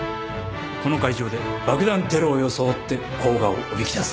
この会場で爆弾テロを装って甲賀をおびき出す。